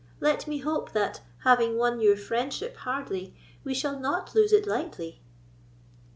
Let me hope that, having won your friendship hardly, we shall not lose it lightly."